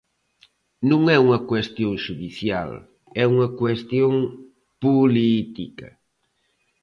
Non é unha cuestión xudicial, é unha cuestión política.